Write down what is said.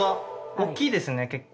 大きいですね結構。